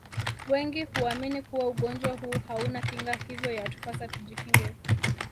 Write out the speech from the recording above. Wengi huamini kuwa ugonjwa huu hauna Kinga hivyo yatupasa tujikinge